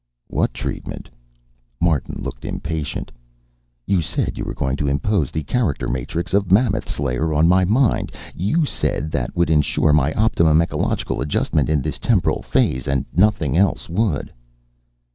"What treatment?" Martin looked impatient. "You said you were going to impose the character matrix of Mammoth Slayer on my mind. You said that would insure my optimum ecological adjustment in this temporal phase, and nothing else would."